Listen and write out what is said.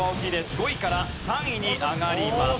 ５位から３位に上がります。